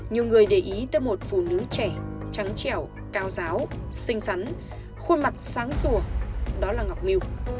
nhiều người để ý tới một phụ nữ trẻ trắng chẻo cao giáo xinh xắn khuôn mặt sáng sùa đó là ngọc miu